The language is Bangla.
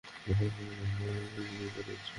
মেয়েরা যখন গোসল করছিল তখন উঁকি দিছে।